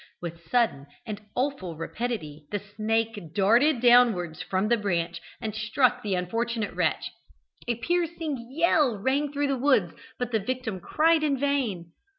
With sudden and awful rapidity the snake darted downwards from the branch and struck the unfortunate wretch a piercing yell rang through the woods, but the victim cried in vain.